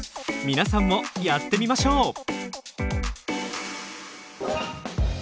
皆さんもやってみましょう！